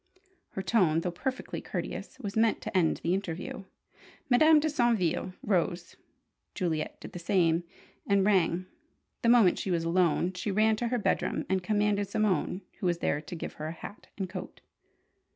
Her tone, though perfectly courteous, was meant to end the interview. Madame de Saintville rose. Juliet did the same, and rang. The moment she was alone, she ran to her bedroom and commanded Simone, who was there, to give her a hat and coat.